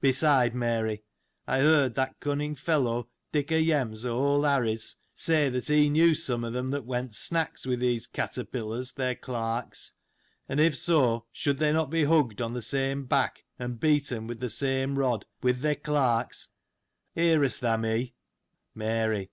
Beside, Mary, I heard that cunning fellow, Dick o' Yem's, o' old Harry's, say that he knew some of them that went snacks with these caterpillars, their clerks ; and if so, should they not be hugged on the same back, and beaten with the same rod, with their clerks — hearest thou me ? Mary.